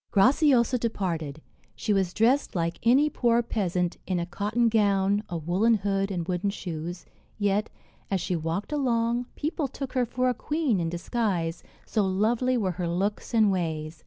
Graciosa departed. She was dressed like any poor peasant, in a cotton gown, a woollen hood and wooden shoes; yet, as she walked along, people took her for a queen in disguise, so lovely were her looks and ways.